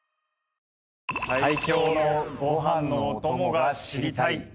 最強のご飯のおともが知りたい！